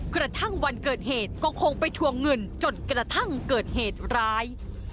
กระทั่งวันเกิดเหตุก็คงไปทวงเงินจนกระทั่งเกิดเหตุร้าย